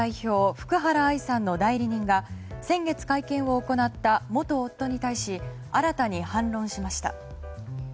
福原愛さんの代理人が先月、会見を行った元夫に対し新たに反論しました。